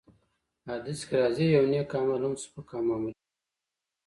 حديث کي راځي : يو نيک عمل هم سپک او معمولي مه ګڼه!